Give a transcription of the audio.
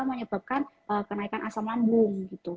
menyebabkan kenaikan asam lambung